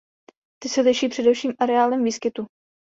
Ty se liší především areálem výskytu.